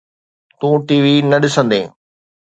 تون ٽي وي نه ڏسندين؟